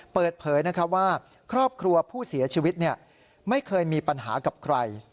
เปิดเผยว่าครอบครัวผู้เสียชีวิตไม่เคยมีปัญหากับใคร